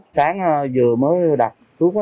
sáng vừa mới đặt thuốc